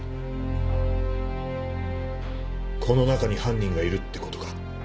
この中に犯人がいるってことか。